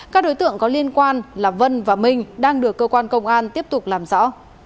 các đối tượng có liên quan là vân và minh đang được cơ quan công an tiếp tục làm rõ